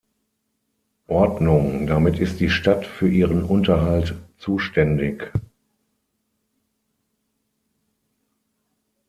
Ordnung, damit ist die Stadt für ihren Unterhalt zuständig.